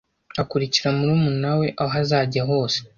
Akurikira murumuna we aho azajya hose.